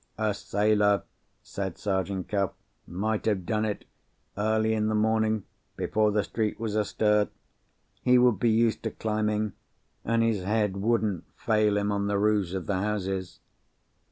"A sailor," said Sergeant Cuff, "might have done it—early in the morning, before the street was astir. He would be used to climbing, and his head wouldn't fail him on the roofs of the houses."